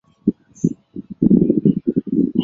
思茅山橙是夹竹桃科山橙属的植物。